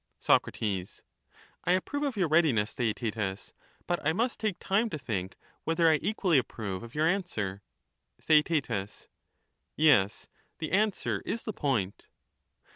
^®^• Soc, I approve of your readiness, Theaetetus, but I must take time to think whether I equally approve of your answer. Theaet, Yes ; the answer is the point.